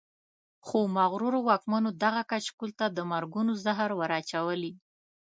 خو مغرورو واکمنو دغه کچکول ته د مرګونو زهر ور اچولي.